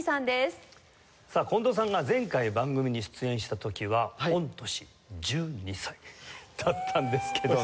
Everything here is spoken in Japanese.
さあ近藤さんが前回番組に出演した時は御年１２歳だったんですけどね。